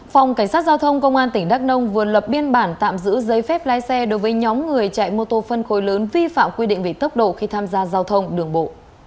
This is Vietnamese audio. phòng cảnh sát giao thông công an tỉnh đắk nông vừa lập biên bản tạm giữ giấy phép lái xe đối với nhóm người chạy mô tô phân khối lớn vi phạm quy định về tốc độ khi tham gia giao thông đường bộ